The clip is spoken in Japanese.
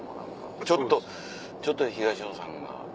ちょっとちょっと東野さんが。